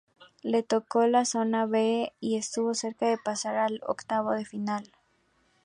Le tocó la Zona B, y estuvo cerca de pasar al octogonal final.